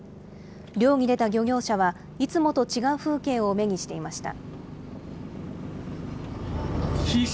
漁に出た漁業者は、いつもと違う風景を目にしていました。